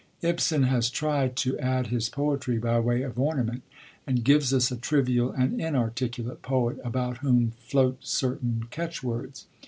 Ibsen has tried to add his poetry by way of ornament, and gives us a trivial and inarticulate poet about whom float certain catchwords.